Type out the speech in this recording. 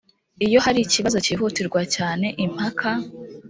iyo hari ikibazo cyihutirwa cyane impaka